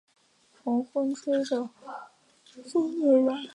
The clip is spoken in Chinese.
刚毛萼刺蕊草为唇形科刺蕊草属下的一个种。